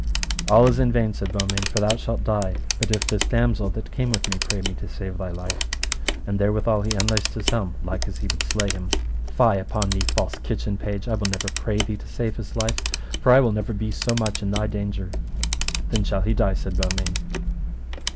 All is in vain, said Beaumains, for thou shalt die but if this damosel that came with me pray me to save thy life. And therewithal he unlaced his helm like as he would slay him. Fie upon thee, false kitchen page, I will never pray thee to save his life, for I will never be so much in thy danger. Then shall he die, said Beaumains.